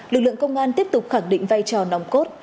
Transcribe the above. lực lượng công an tiếp tục khẳng định vai trò nòng cốt